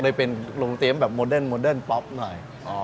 เลยเป็นโรงเตรียมแบบโมเดิร์โมเดิร์นป๊อปหน่อย